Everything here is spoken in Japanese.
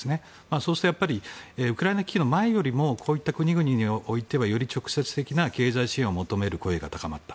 そうするとウクライナ危機の前よりもこういった国々においてはより直接的な経済支援を求める声が高まった。